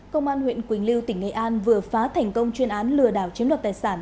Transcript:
công an huyện quỳnh lưu tỉnh nghệ an vừa phá thành công chuyên án lừa đảo chiếm đoạt tài sản